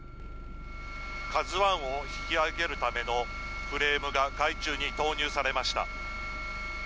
ＫＡＺＵＩを引き揚げるためのフレームが海中に投入されました。